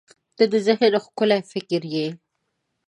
• ته د ذهن ښکلي فکر یې.